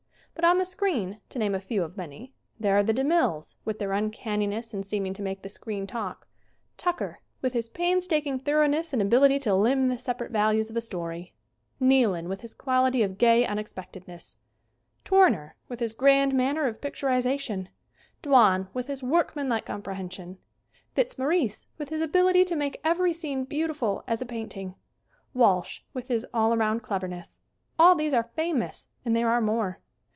But on the screen, to name a few of many, there are the De Milles, with their uncanniness in seeming to make the screen talk; Tucker, with his painstaking thoroughness and ability to limn the separate values of a story ; Neilan, with his quality of gay, unexpectedness ; Tour neur, with his grand manner of picturization ; Dwan, with his workman like comprehension; Fitzmaurice, with his ability to make every scene beautiful as a painting; Walsh, with his all around cleverness all these are famous, and there are more.